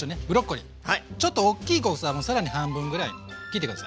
ちょっと大きい小房は更に半分ぐらいに切って下さい。